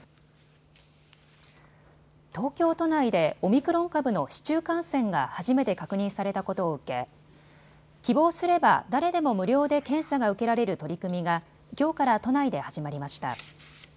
東京都内でオミクロン株の市中感染が初めて確認されたことを受け希望すれば誰でも無料で検査が受けられる取り組みがきょうから都内で始まりました。